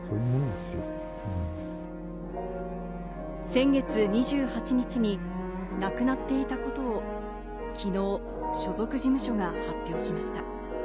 先月２８日に亡くなっていたことを昨日、所属事務所が発表しました。